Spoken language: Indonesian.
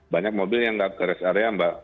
banyak mobil yang nggak ke rest area mbak